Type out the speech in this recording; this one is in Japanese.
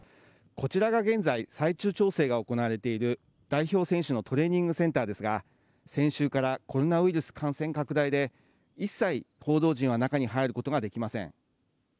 こちらが現在、最終調整が行われている代表選手のトレーニングセンターですが、先週からコロナウイルス感染拡大で、一切、報道陣は中に入ることができません。